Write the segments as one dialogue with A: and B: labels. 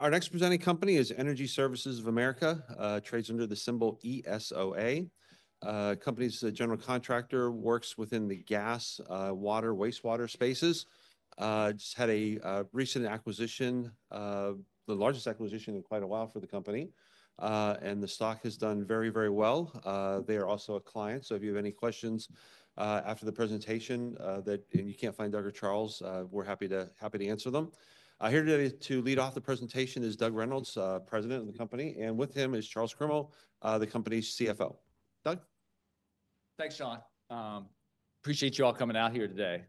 A: Our next presenting company is Energy Services of America, trades under the symbol ESOA. The company's a general contractor, works within the gas, water, wastewater spaces. Just had a recent acquisition, the largest acquisition in quite a while for the company, and the stock has done very, very well. They are also a client, so if you have any questions after the presentation, and you can't find Douglas or Charles, we're happy to, happy to answer them. Here today to lead off the presentation is Douglas Reynolds, President of the company, and with him is Charles Kelley, the company's CFO. Douglas?
B: Thanks, Sean. Appreciate you all coming out here today.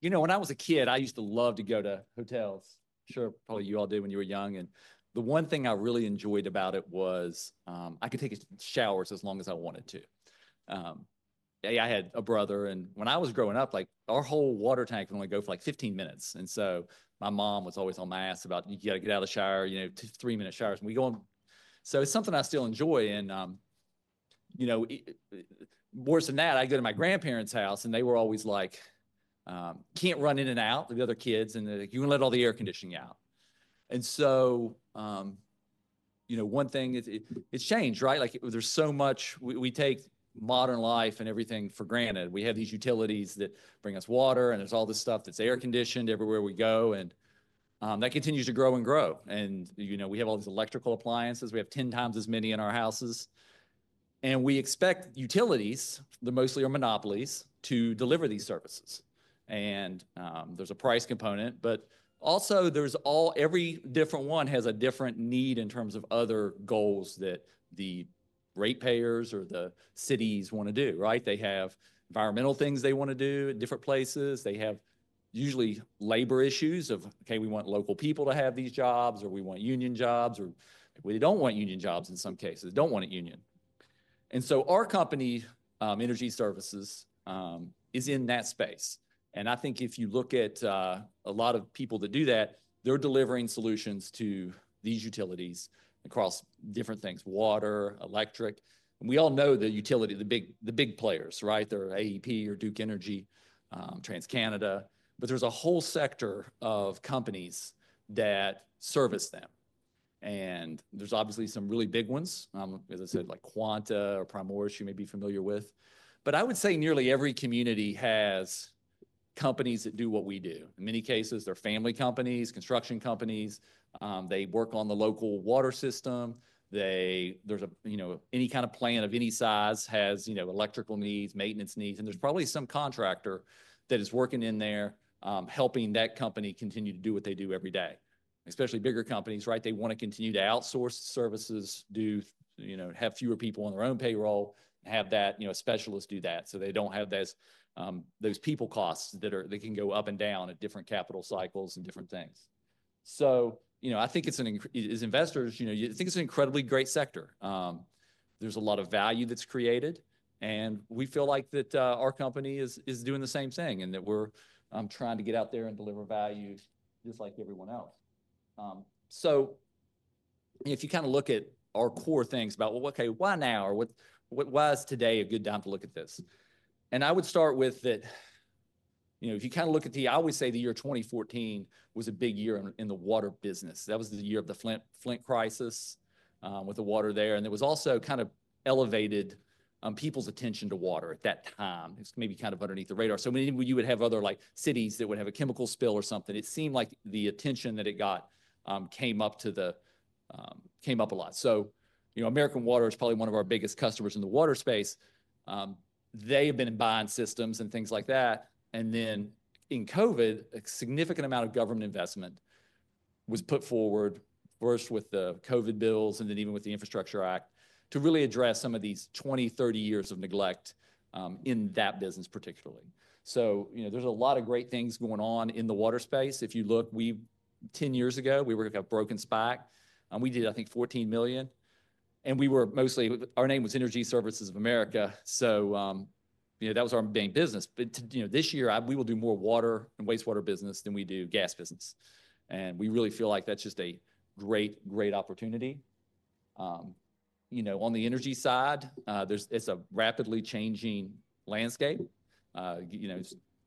B: You know, when I was a kid, I used to love to go to hotels. Sure, probably you all did when you were young. And the one thing I really enjoyed about it was, I could take showers as long as I wanted to. I had a brother, and when I was growing up, like, our whole water tank would only go for like 15 minutes. And so my mom was always on my ass about, you gotta get out of the shower, you know, three-minute showers. And we go on. So it's something I still enjoy. And, you know, worse than that, I go to my grandparents' house, and they were always like, can't run in and out with the other kids, and they're like, you're gonna let all the air conditioning out. And so, you know, one thing is, it's changed, right? Like, there's so much, we take modern life and everything for granted. We have these utilities that bring us water, and there's all this stuff that's air conditioned everywhere we go. And, that continues to grow and grow. And, you know, we have all these electrical appliances. We have 10 times as many in our houses. And we expect utilities, they're mostly our monopolies, to deliver these services. And, there's a price component, but also there's all, every different one has a different need in terms of other goals that the ratepayers or the cities wanna do, right? They have environmental things they wanna do in different places. They have usually labor issues of, okay, we want local people to have these jobs, or we want union jobs, or we don't want union jobs in some cases, don't want a union. And so our company, Energy Services, is in that space. And I think if you look at, a lot of people that do that, they're delivering solutions to these utilities across different things, water, electric. And we all know the utility, the big, the big players, right? They're AEP or Duke Energy, TransCanada, but there's a whole sector of companies that service them. And there's obviously some really big ones, as I said, like Quanta or Primoris, as you may be familiar with. But I would say nearly every community has companies that do what we do. In many cases, they're family companies, construction companies. They work on the local water system. They, there's a, you know, any kind of plant of any size has, you know, electrical needs, maintenance needs. And there's probably some contractor that is working in there, helping that company continue to do what they do every day, especially bigger companies, right? They wanna continue to outsource services, do, you know, have fewer people on their own payroll, have that, you know, specialist do that. So they don't have those people costs that can go up and down at different capital cycles and different things. So, you know, as investors, I think it's an incredibly great sector. There's a lot of value that's created. And we feel like that our company is doing the same thing and that we're trying to get out there and deliver value just like everyone else. So if you kind of look at our core things about, well, okay, why now? Or what, why is today a good time to look at this? And I would start with that, you know, if you kind of look at the. I always say the year 2014 was a big year in the water business. That was the year of the Flint crisis, with the water there. And it was also kind of elevated people's attention to water at that time. It's maybe kind of underneath the radar. So when you would have other, like, cities that would have a chemical spill or something, it seemed like the attention that it got came up a lot. So, you know, American Water is probably one of our biggest customers in the water space. They have been buying systems and things like that. Then in COVID, a significant amount of government investment was put forward, first with the COVID bills and then even with the Infrastructure Act to really address some of these 20, 30 years of neglect in that business particularly. You know, there's a lot of great things going on in the water space. If you look, we, 10 years ago, we were gonna go public SPAC. We did, I think, $14 million. We were mostly, our name was Energy Services of America. You know, that was our main business. To, you know, this year, I, we will do more water and wastewater business than we do gas business. We really feel like that's just a great, great opportunity. You know, on the energy side, there's, it's a rapidly changing landscape, you know,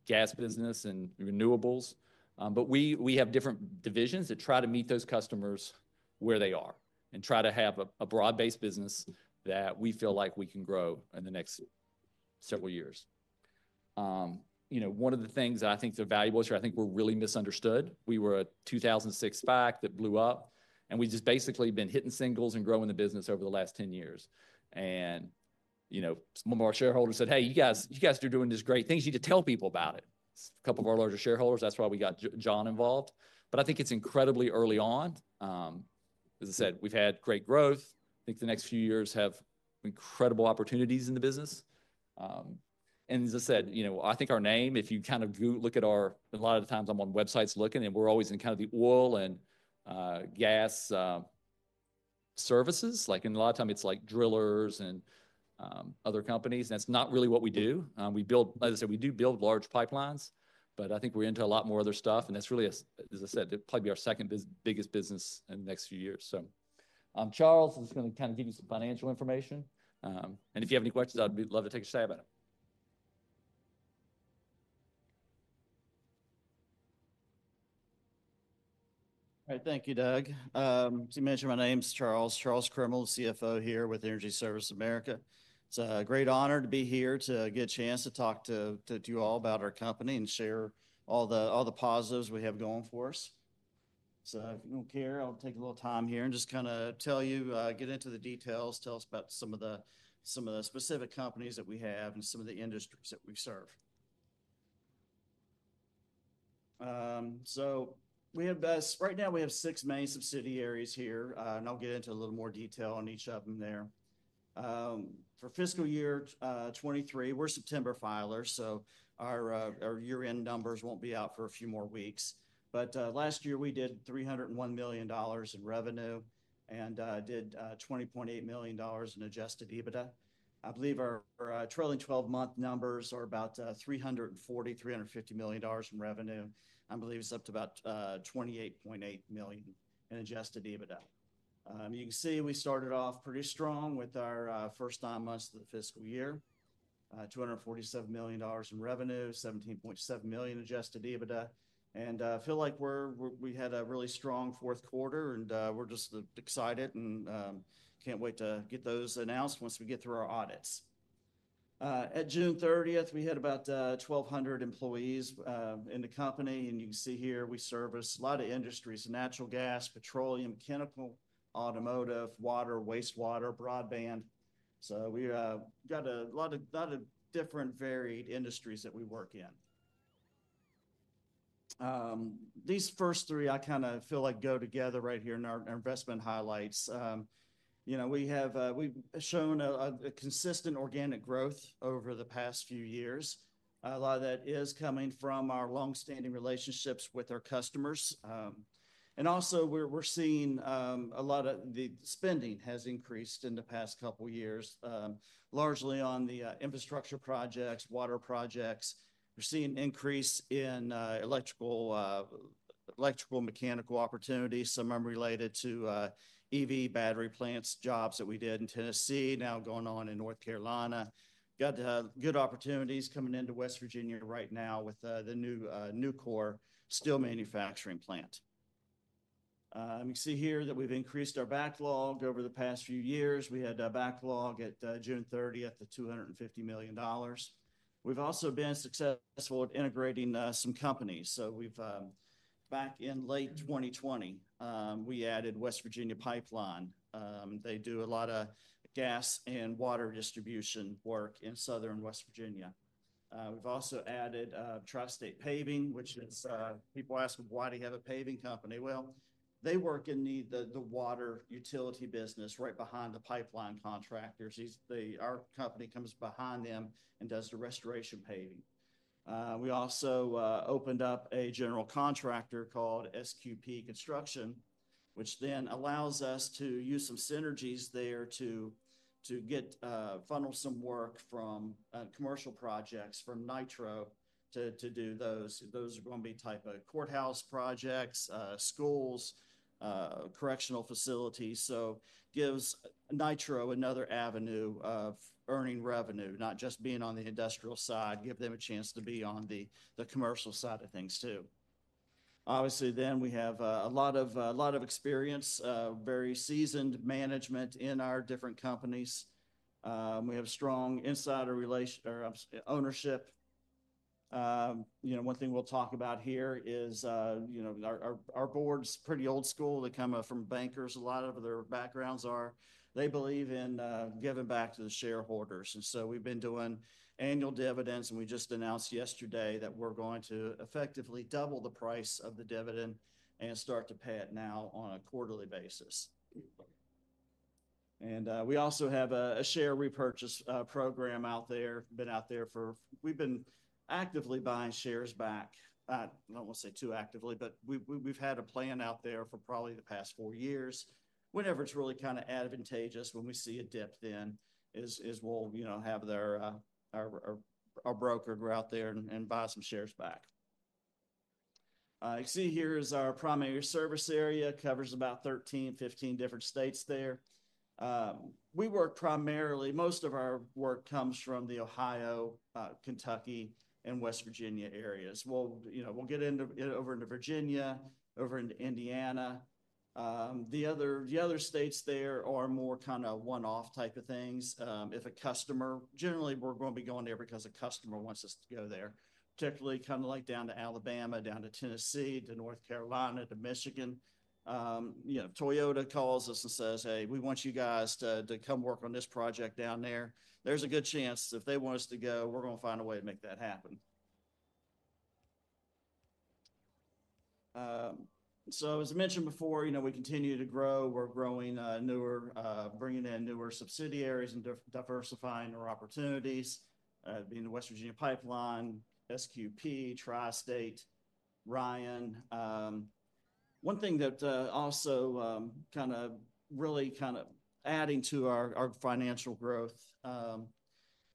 B: gas business and renewables. But we have different divisions that try to meet those customers where they are and try to have a broad-based business that we feel like we can grow in the next several years. You know, one of the things that I think's a valuable issue, I think we're really misunderstood. We were a 2006 SPAC that blew up, and we've just basically been hitting singles and growing the business over the last 10 years. And, you know, some of our shareholders said, "Hey, you guys are doing this great thing. You need to tell people about it." A couple of our larger shareholders, that's why we got John involved. But I think it's incredibly early on. As I said, we've had great growth. I think the next few years have incredible opportunities in the business. And as I said, you know, I think our name, if you kind of go look at our, a lot of times I'm on websites looking and we're always in kind of the oil and gas services. Like in a lot of times it's like drillers and other companies. And that's not really what we do. We build, as I said, we do build large pipelines, but I think we're into a lot more other stuff. And that's really a, as I said, it'll probably be our second big, biggest business in the next few years. So, Charles is gonna kind of give you some financial information. And if you have any questions, I'd love to take a stab at them.
C: All right. Thank you, Douglas. As you mentioned, my name's Charles, Charles Kelley, CFO here with Energy Services of America. It's a great honor to be here to get a chance to talk to you all about our company and share all the positives we have going for us. So if you don't care, I'll take a little time here and just kind of tell you, get into the details, tell us about some of the specific companies that we have and some of the industries that we serve. So we have right now six main subsidiaries here. I'll get into a little more detail on each of them there. For fiscal year 2023, we're September filers, so our year-end numbers won't be out for a few more weeks. But last year we did $301 million in revenue and did $20.8 million in adjusted EBITDA. I believe our trailing 12-month numbers are about $340-$350 million in revenue. I believe it's up to about $28.8 million in adjusted EBITDA. You can see we started off pretty strong with our first nine months of the fiscal year, $247 million in revenue, $17.7 million adjusted EBITDA. And I feel like we're, we had a really strong fourth quarter and we're just excited and can't wait to get those announced once we get through our audits. At June 30th, we had about 1,200 employees in the company. And you can see here we service a lot of industries: natural gas, petroleum, chemical, automotive, water, wastewater, broadband. So we got a lot of, a lot of different, varied industries that we work in. These first three I kind of feel like go together right here in our investment highlights. You know, we have we've shown a consistent organic growth over the past few years. A lot of that is coming from our longstanding relationships with our customers. And also we're seeing a lot of the spending has increased in the past couple of years, largely on the infrastructure projects, water projects. We're seeing an increase in electrical mechanical opportunities, some of 'em related to EV battery plants, jobs that we did in Tennessee, now going on in North Carolina. Got good opportunities coming into West Virginia right now with the new Nucor steel manufacturing plant. You can see here that we've increased our backlog over the past few years. We had a backlog at June 30th of $250 million. We've also been successful at integrating some companies. So we've back in late 2020, we added West Virginia Pipeline. They do a lot of gas and water distribution work in southern West Virginia. We've also added Tri-State Paving, which is, people ask me, why do you have a paving company? Well, they work in the water utility business right behind the pipeline contractors. They, our company comes behind them and does the restoration paving. We also opened up a general contractor called SQP Construction, which then allows us to use some synergies there to get funnel some work from commercial projects from Nitro to do those. Those are gonna be type of courthouse projects, schools, correctional facilities. So gives Nitro another avenue of earning revenue, not just being on the industrial side, give them a chance to be on the commercial side of things too. Obviously then we have a lot of experience, very seasoned management in our different companies. We have strong insider relation or ownership. You know, one thing we'll talk about here is, you know, our board's pretty old school. They come up from bankers. A lot of their backgrounds are, they believe in giving back to the shareholders. And so we've been doing annual dividends, and we just announced yesterday that we're going to effectively double the price of the dividend and start to pay it now on a quarterly basis. And we also have a share repurchase program out there. Been out there for, we've been actively buying shares back. I don't wanna say too actively, but we've had a plan out there for probably the past four years. Whenever it's really kind of advantageous, when we see a dip, then we'll, you know, have our broker go out there and buy some shares back. You see here is our primary service area, covers about 13-15 different states there. We work primarily, most of our work comes from the Ohio, Kentucky, and West Virginia areas. We'll, you know, we'll get into it over into Virginia, over into Indiana. The other states there are more kind of one-off type of things. If a customer generally we're gonna be going there because a customer wants us to go there, particularly kind of like down to Alabama, down to Tennessee, to North Carolina, to Michigan. You know, Toyota calls us and says, "Hey, we want you guys to, to come work on this project down there." There's a good chance if they want us to go, we're gonna find a way to make that happen. So as I mentioned before, you know, we continue to grow. We're growing, newer, bringing in newer subsidiaries and diversifying our opportunities, being the West Virginia Pipeline, SQP, Tri-State, Ryan. One thing that, also, kind of really kind of adding to our, our financial growth,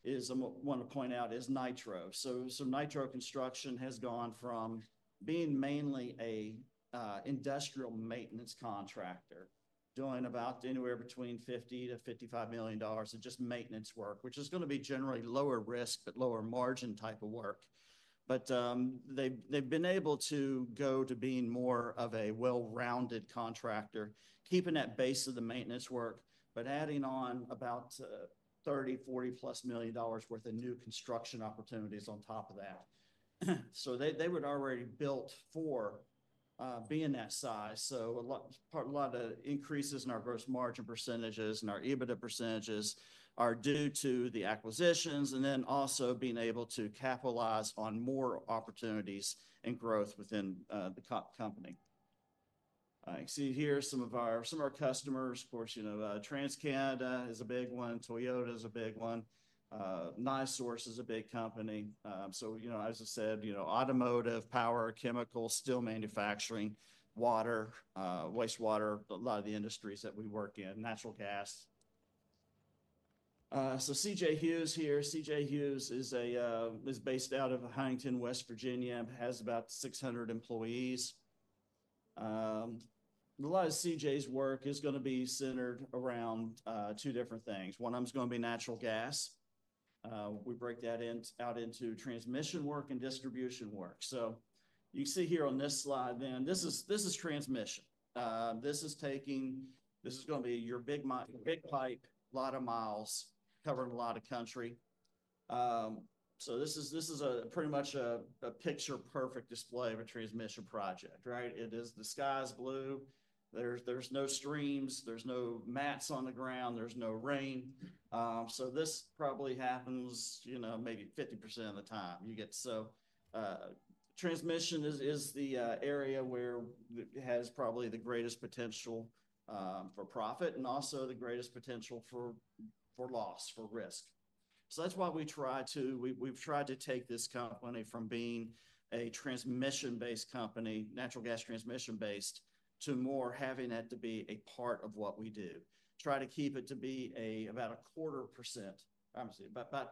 C: is I wanna point out is Nitro. So, so Nitro Construction has gone from being mainly a, industrial maintenance contractor, doing about anywhere between $50-$55 million in just maintenance work, which is gonna be generally lower risk, but lower margin type of work. But they have been able to go to being more of a well-rounded contractor, keeping that base of the maintenance work, but adding on about $30-$40+ million worth of new construction opportunities on top of that. So they were already built for being that size. So a lot of increases in our gross margin percentages and our EBITDA percentages are due to the acquisitions and then also being able to capitalize on more opportunities and growth within the company. You see here are some of our customers. Of course, you know, TransCanada is a big one. Toyota's a big one. NiSource is a big company. So you know, as I said, you know, automotive, power, chemical, steel manufacturing, water, wastewater, a lot of the industries that we work in, natural gas. So C.J. Hughes here, C.J. Hughes is based out of Huntington, West Virginia, has about 600 employees. A lot of C.J.'s work is gonna be centered around two different things. One of 'em is gonna be natural gas. We break that into transmission work and distribution work. So you can see here on this slide, this is transmission. This is taking. This is gonna be your big pipe, a lot of miles, covering a lot of country. So this is a pretty much a picture-perfect display of a transmission project, right? It is the sky's blue. There's no streams, there's no mats on the ground, there's no rain. So this probably happens, you know, maybe 50% of the time you get. So, transmission is the area where it has probably the greatest potential for profit and also the greatest potential for loss, for risk. So that's why we've tried to take this company from being a transmission-based company, natural gas transmission-based, to more having that to be a part of what we do. Try to keep it to be about a quarter percent. I'm gonna say,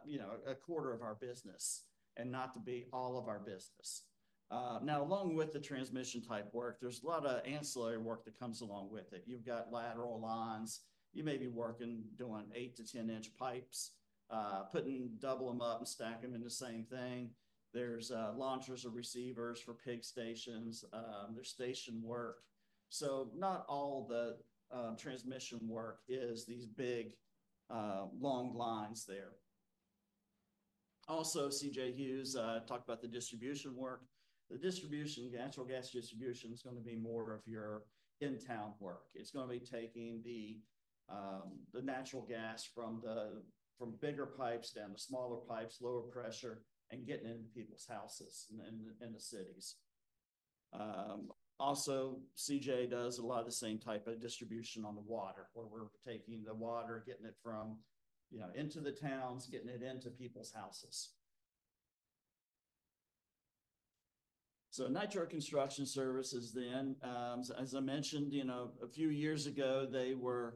C: you know, a quarter of our business and not to be all of our business. Now along with the transmission type work, there's a lot of ancillary work that comes along with it. You've got lateral lines. You may be working doing 8- to 10-inch pipes, putting doubling 'em up and stacking 'em into the same thing. There's launchers or receivers for pig stations. There's station work. So not all the transmission work is these big, long lines there. Also, C.J. Hughes talked about the distribution work. The distribution natural gas distribution is gonna be more of your in-town work. It's gonna be taking the natural gas from bigger pipes down to smaller pipes, lower pressure, and getting into people's houses and in the cities. Also C.J. Hughes does a lot of the same type of distribution on the water where we're taking the water, getting it from you know into the towns, getting it into people's houses. So Nitro Construction Services then, as I mentioned, you know, a few years ago they were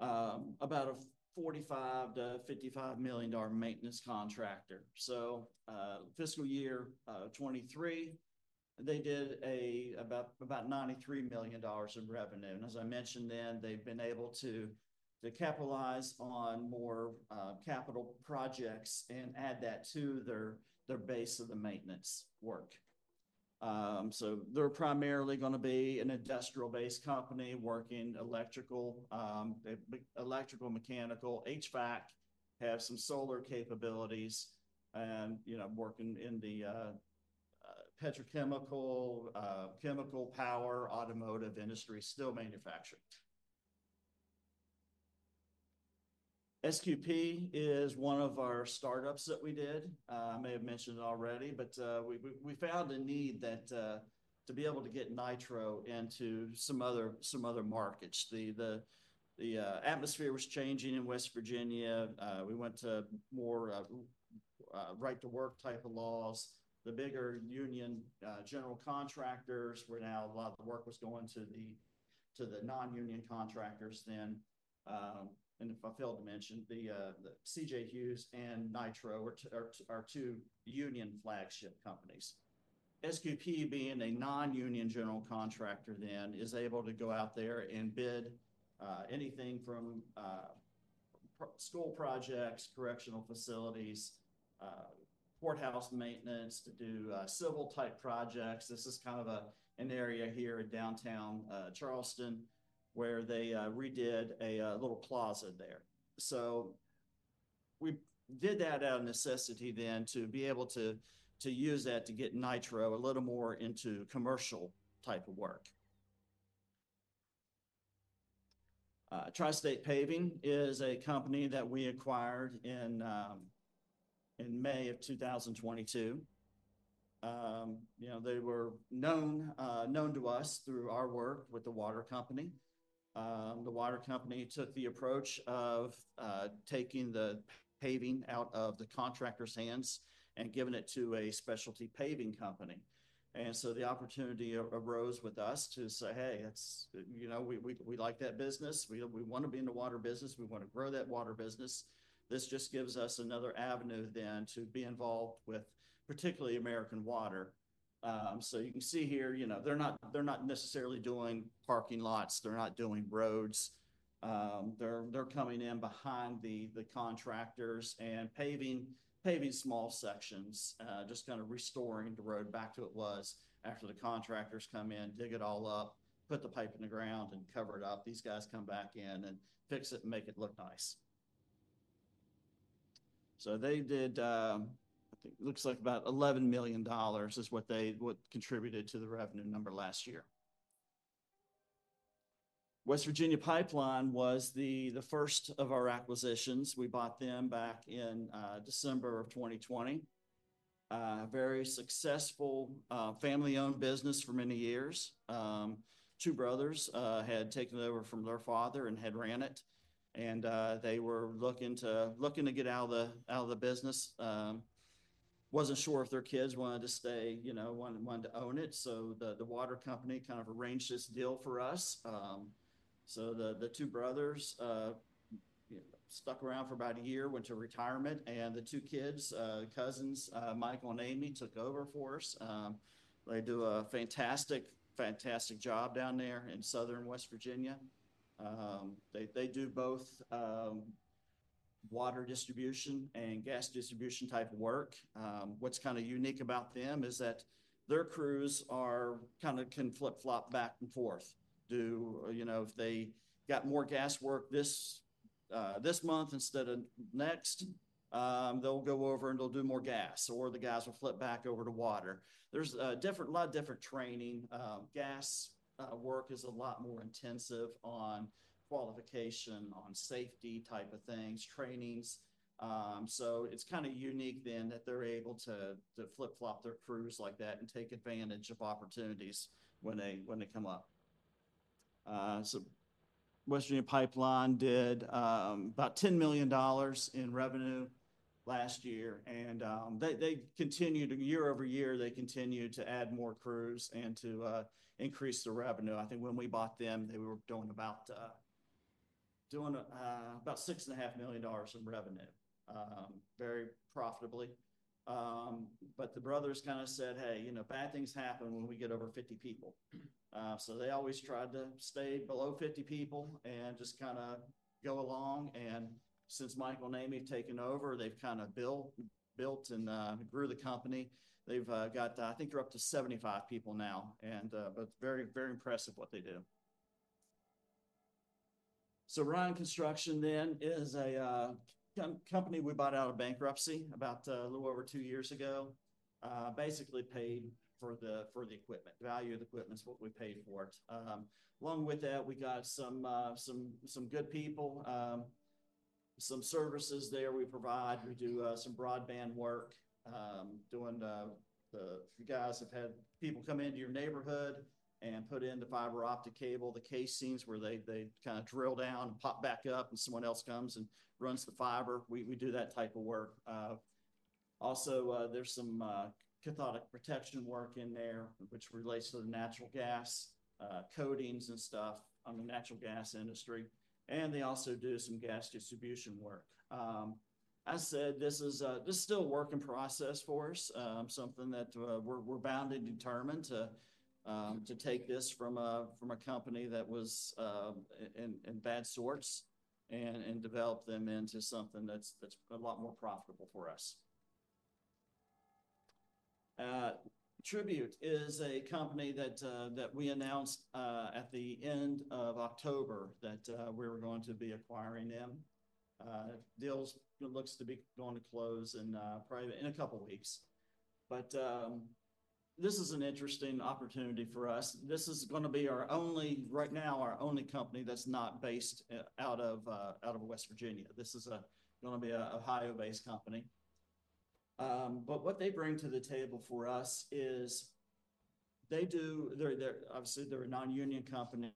C: about a $45-$55 million maintenance contractor. So fiscal year 2023, they did about $93 million in revenue. As I mentioned then, they've been able to capitalize on more capital projects and add that to their base of the maintenance work. So they're primarily gonna be an industrial-based company working electrical, mechanical, HVAC, have some solar capabilities, and, you know, working in the petrochemical, chemical power, automotive industry, steel manufacturing. SQP is one of our startups that we did. I may have mentioned it already, but we found a need to be able to get Nitro into some other markets. The atmosphere was changing in West Virginia. We went to more right-to-work type of laws. The bigger union general contractors were now a lot of the work was going to the non-union contractors then. If I failed to mention, the C.J. Hughes and Nitro are two union flagship companies. SQP being a non-union general contractor then is able to go out there and bid anything from school projects, correctional facilities, courthouse maintenance to do civil type projects. This is kind of an area here in downtown Charleston where they redid a little closet there. So we did that out of necessity then to be able to use that to get Nitro a little more into commercial type of work. Tri-State Paving is a company that we acquired in May of 2022. You know, they were known to us through our work with the water company. The water company took the approach of taking the paving out of the contractor's hands and giving it to a specialty paving company. And so the opportunity arose with us to say, "Hey, that's, you know, we like that business. We wanna be in the water business. We wanna grow that water business." This just gives us another avenue then to be involved with particularly American Water. So you can see here, you know, they're not necessarily doing parking lots. They're not doing roads. They're coming in behind the contractors and paving small sections, just kind of restoring the road back to what it was after the contractors come in, dig it all up, put the pipe in the ground and cover it up. These guys come back in and fix it and make it look nice. So they did, I think it looks like about $11 million is what they contributed to the revenue number last year. West Virginia Pipeline was the first of our acquisitions. We bought them back in December of 2020. Very successful, family-owned business for many years. Two brothers had taken it over from their father and had ran it. They were looking to get out of the business. Wasn't sure if their kids wanted to stay, you know, wanted to own it, so the water company kind of arranged this deal for us, so the two brothers, you know, stuck around for about a year, went to retirement, and the two kids, cousins, Michael and Amy took over for us. They do a fantastic job down there in southern West Virginia. They do both water distribution and gas distribution type of work. What's kind of unique about them is that their crews kind of can flip-flop back and forth. You know, if they got more gas work this month instead of next, they'll go over and they'll do more gas or the guys will flip back over to water. There's a lot of different training. Gas work is a lot more intensive on qualification, on safety type of things, trainings. It's kind of unique that they're able to flip-flop their crews like that and take advantage of opportunities when they come up. West Virginia Pipeline did about $10 million in revenue last year. They continued year over year to add more crews and increase the revenue. I think when we bought them, they were doing about $6.5 million in revenue, very profitably. But the brothers kind of said, "Hey, you know, bad things happen when we get over 50 people." So they always tried to stay below 50 people and just kind of go along. And since Michael and Amy have taken over, they've kind of built and grew the company. They've got, I think, they're up to 75 people now. And but very, very impressive what they do. So Ryan Construction then is a company we bought out of bankruptcy about a little over two years ago. We basically paid for the equipment. Value of the equipment is what we paid for it. Along with that, we got some good people, some services there we provide. We do some broadband work. Doing the guys have had people come into your neighborhood and put in the fiber optic cable, the casings where they kind of drill down and pop back up and someone else comes and runs the fiber. We do that type of work. Also, there's some cathodic protection work in there, which relates to the natural gas coatings and stuff on the natural gas industry. And they also do some gas distribution work. As I said, this is still a work in process for us, something that we're bound and determined to take this from a company that was in bad sorts and develop them into something that's a lot more profitable for us. Tribute is a company that we announced at the end of October that we were going to be acquiring them. The deal looks to be going to close in probably a couple of weeks. But this is an interesting opportunity for us. This is gonna be our only, right now, our only company that's not based out of West Virginia. This is gonna be an Ohio-based company. But what they bring to the table for us is they're obviously a non-union company.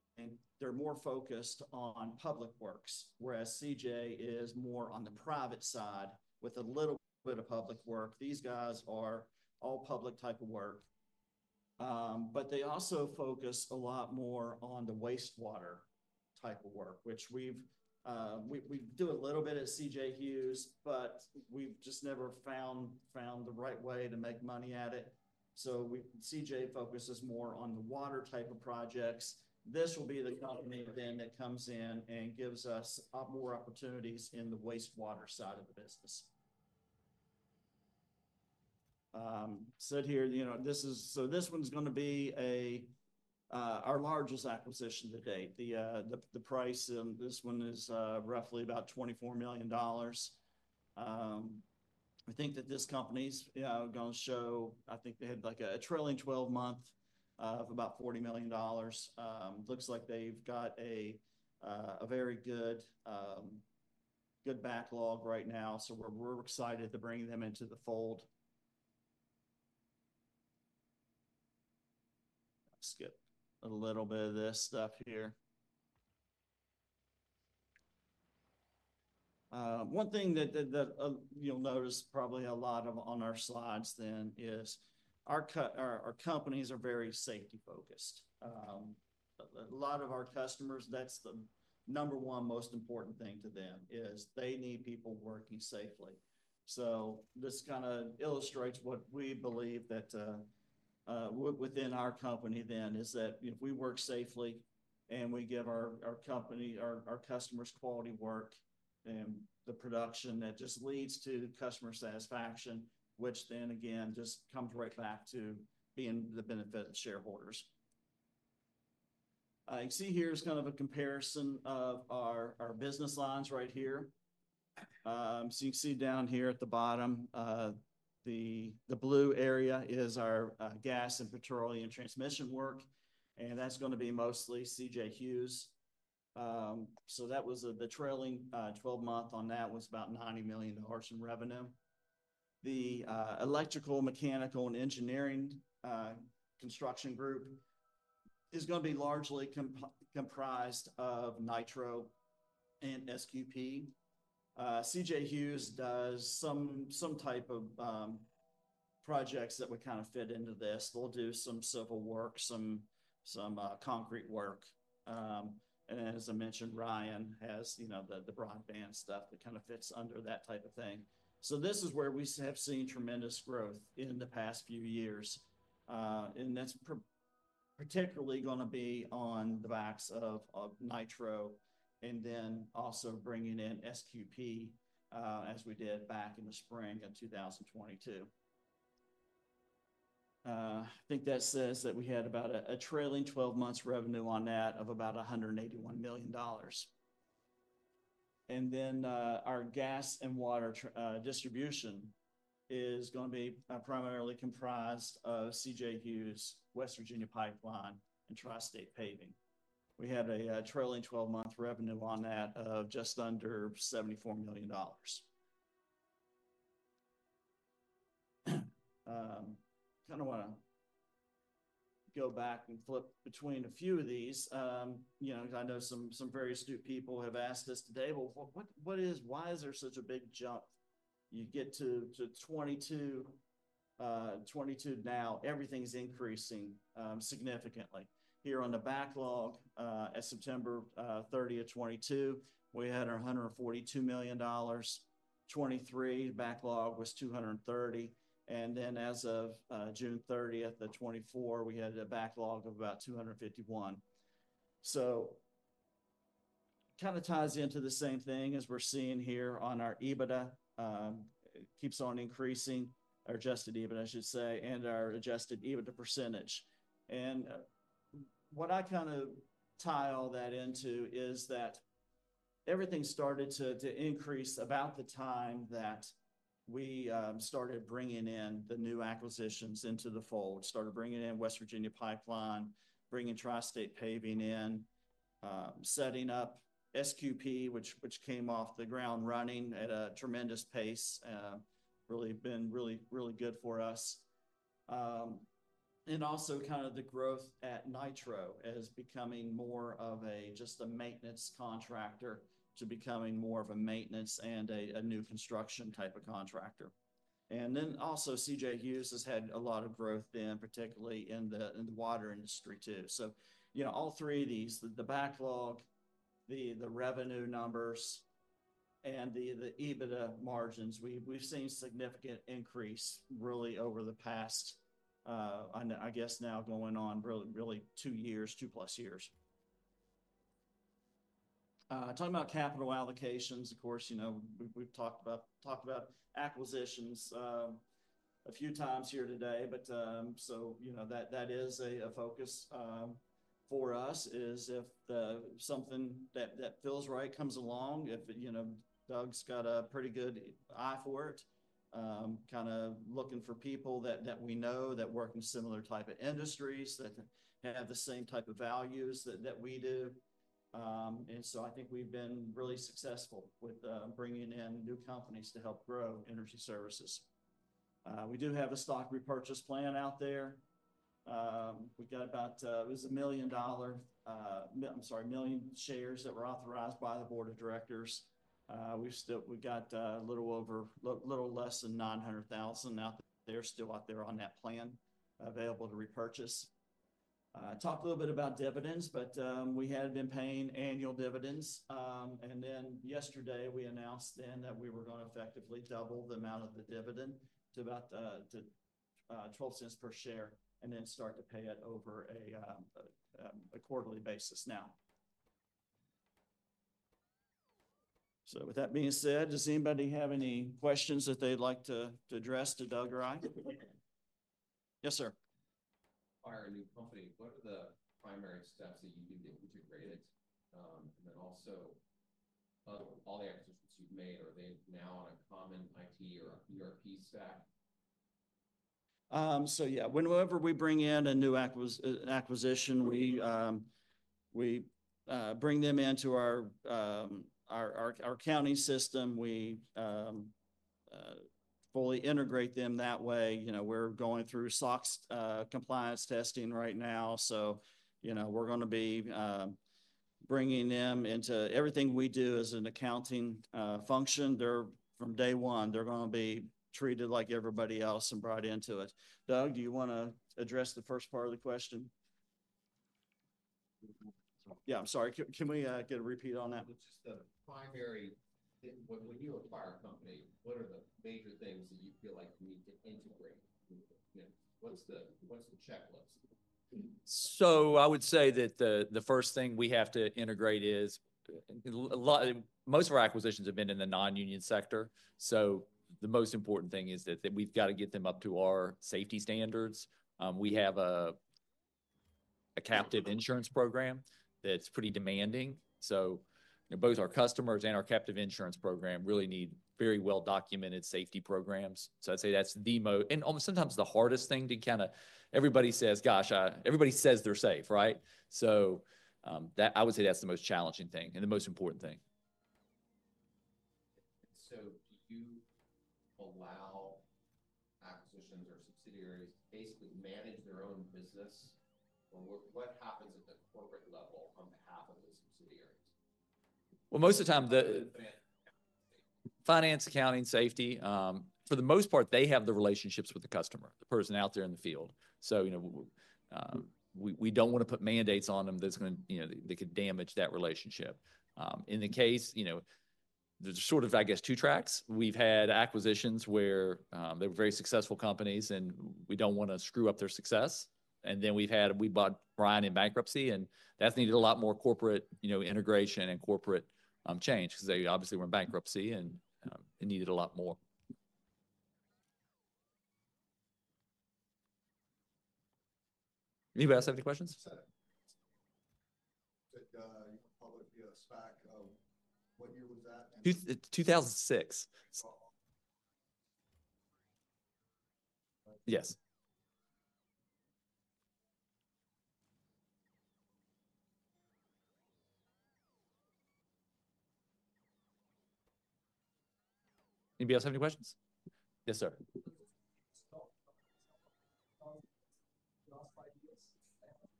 C: They're more focused on public works, whereas CJ is more on the private side with a little bit of public work. These guys are all public type of work. But they also focus a lot more on the wastewater type of work, which we do a little bit at C.J. Hughes, but we've just never found the right way to make money at it. So C.J. Hughes focuses more on the water type of projects. This will be the company then that comes in and gives us more opportunities in the wastewater side of the business. It says here, you know, this is, so this one's gonna be our largest acquisition to date. The price for this one is roughly about $24 million. I think that this company's gonna show. I think they had like a trailing 12 month of about $40 million. It looks like they've got a very good backlog right now. So we're excited to bring them into the fold. Let's get a little bit of this stuff here. One thing that you'll notice probably a lot of on our slides then is our companies are very safety focused. A lot of our customers, that's the number one most important thing to them is they need people working safely. So this kind of illustrates what we believe that within our company then is that if we work safely and we give our company our customers quality work and the production that just leads to customer satisfaction, which then again just comes right back to being the benefit of shareholders. You see here is kind of a comparison of our business lines right here. So you can see down here at the bottom, the blue area is our gas and petroleum transmission work, and that's gonna be mostly C.J. Hughes. So that was the trailing 12-month on that was about $90 million in revenue. The electrical, mechanical, and engineering construction group is gonna be largely comprised of Nitro and SQP. C.J. Hughes does some type of projects that would kind of fit into this. They'll do some civil work, some concrete work. And as I mentioned, Ryan has, you know, the broadband stuff that kind of fits under that type of thing. So this is where we have seen tremendous growth in the past few years. And that's particularly gonna be on the backs of Nitro and then also bringing in SQP, as we did back in the spring of 2022. I think that says that we had about a trailing 12-month revenue on that of about $181 million. And then, our gas and water distribution is gonna be primarily comprised of C.J. Hughes, West Virginia Pipeline, and Tri-State Paving. We had trailing 12-month revenue on that of just under $74 million. Kind of wanna go back and flip between a few of these, you know, 'cause I know some very astute people have asked us today, well, what, what, what is, why is there such a big jump? You get to '22 now, everything's increasing significantly. Here on the backlog, as of September 30th, 2022, we had our $142 million. 2023 backlog was $230 million. And then as of June 30th of 2024, we had a backlog of about $251 million. So kind of ties into the same thing as we're seeing here on our EBITDA. It keeps on increasing our adjusted EBITDA, I should say, and our adjusted EBITDA percentage. What I kind of tie all that into is that everything started to increase about the time that we started bringing in the new acquisitions into the fold, started bringing in West Virginia Pipeline, bringing Tri-State Paving in, setting up SQP, which came off the ground running at a tremendous pace, really been really good for us. And also kind of the growth at Nitro as becoming more of a just a maintenance contractor to becoming more of a maintenance and a new construction type of contractor. And then also C.J. Hughes has had a lot of growth then, particularly in the water industry too. So, you know, all three of these, the backlog, the revenue numbers, and the EBITDA margins, we've seen significant increase really over the past. I know, I guess now going on really two years, two plus years. Talking about capital allocations, of course, you know, we've talked about acquisitions a few times here today, but so, you know, that is a focus for us if something that feels right comes along. You know, Douglas's got a pretty good eye for it, kind of looking for people that we know that work in similar type of industries that have the same type of values that we do. And so I think we've been really successful with bringing in new companies to help grow energy services. We do have a stock repurchase plan out there. We got about, it was a million dollars, I'm sorry, a million shares that were authorized by the board of directors. We still have a little less than 900,000 out there on that plan available to repurchase. Talked a little bit about dividends, but we had been paying annual dividends. Then yesterday we announced that we were gonna effectively double the amount of the dividend to about $0.12 per share and then start to pay it on a quarterly basis now. So with that being said, does anybody have any questions that they'd like to address to Douglas or I? Yes, sir.
D: Acquire a new company, what are the primary steps that you do to integrate it? And then also all the acquisitions you've made, are they now on a common IT or ERP stack?
C: So yeah, whenever we bring in a new acquisition, we bring them into our accounting system. We fully integrate them that way. You know, we're going through SOX compliance testing right now. So, you know, we're gonna be bringing them into everything we do as an accounting function. They're from day one, they're gonna be treated like everybody else and brought into it. Douglas, do you wanna address the first part of the question?
B: Yeah, I'm sorry. Can we get a repeat on that?
D: Just the primary thing, when you acquire a company, what are the major things that you feel like you need to integrate? You know, what's the checklist?
B: So I would say that the first thing we have to integrate is a lot. Most of our acquisitions have been in the non-union sector. So the most important thing is that we've gotta get them up to our safety standards. We have a captive insurance program that's pretty demanding. So, you know, both our customers and our captive insurance program really need very well-documented safety programs. So I'd say that's the most, and almost sometimes the hardest thing to kind of, everybody says, gosh, everybody says they're safe, right? So, that I would say that's the most challenging thing and the most important thing.
D: So do you allow acquisitions or subsidiaries to basically manage their own business? Or what happens at the corporate level on behalf of the subsidiaries?
B: Well, most of the time the finance, accounting, safety, for the most part, they have the relationships with the customer, the person out there in the field. So, you know, we don't wanna put mandates on them that's gonna, you know, they could damage that relationship. In the case, you know, there's sort of, I guess, two tracks. We've had acquisitions where they were very successful companies and we don't wanna screw up their success. And then we've had, we bought Ryan in bankruptcy and that's needed a lot more corporate, you know, integration and corporate change 'cause they obviously were in bankruptcy and it needed a lot more. Anybody else have any questions?
D: You know, public, SPAC, what year was that?
B: 2006. Yes. Anybody else have any questions? Yes, sir.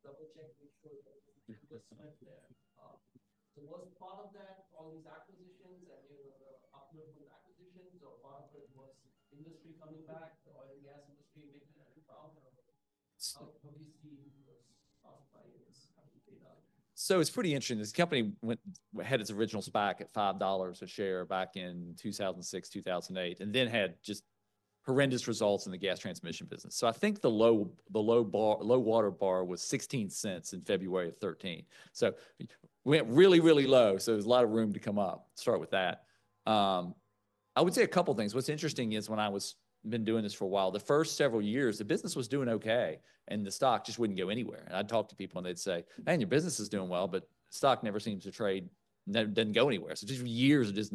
D: Double check, make sure that you spent there. So was part of that all these acquisitions and, you know, the uplift from the acquisitions or part of it was industry coming back, the oil and gas industry making a rebound? How do you see those stock buyers coming back?
B: So it's pretty interesting. This company went ahead of its original SPAC at $5 a share back in 2006, 2008, and then had just horrendous results in the gas transmission business. So I think the low-water mark was $0.16 in February of 2013. So we went really, really low. So there's a lot of room to come up, start with that. I would say a couple of things. What's interesting is when I was been doing this for a while, the first several years, the business was doing okay and the stock just wouldn't go anywhere. And I'd talk to people and they'd say, man, your business is doing well, but stock never seems to trade, never didn't go anywhere. So just years of just,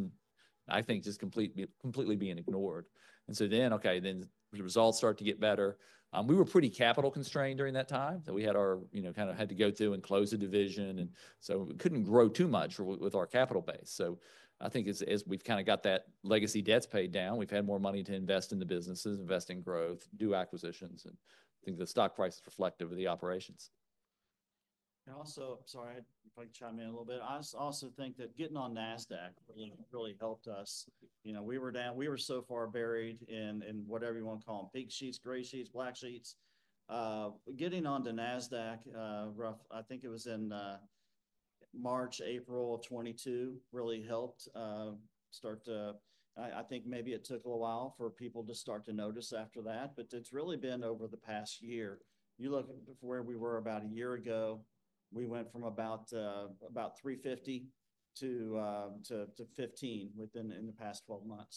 B: I think, completely being ignored. The results start to get better. We were pretty capital constrained during that time. So we had our, you know, kind of had to go through and close a division and so we couldn't grow too much with our capital base. So I think as we've kind of got that legacy debts paid down, we've had more money to invest in the businesses, invest in growth, do acquisitions, and I think the stock price is reflective of the operations.
C: Also, I'm sorry, I'd like to chime in a little bit. I also think that getting on Nasdaq really, really helped us. You know, we were down, we were so far buried in, in whatever you wanna call 'em, Pink Sheets, gray sheets, black sheets. Getting onto Nasdaq, roughly, I think it was in March, April of 2022 really helped start to. I think maybe it took a little while for people to start to notice after that, but it's really been over the past year. You look at where we were about a year ago, we went from about 350 to 15 within the past 12 months.